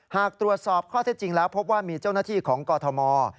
หากตรวจสอบข้อเท็จจริงแล้วพบว่ามีเจ้าหน้าที่ของกอทม